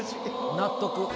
納得。